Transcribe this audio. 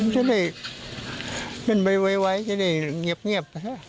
จะได้จะได้เงียบเงียบ